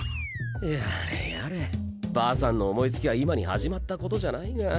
やれやればあさんの思いつきは今に始まったことじゃないが。